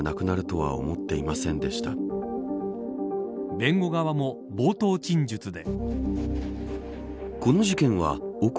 弁護側も冒頭陳述で。